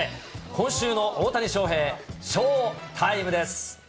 今週の大谷翔平、ショータイムです。